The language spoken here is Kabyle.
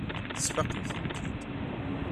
Tesfaqemt-tent-id.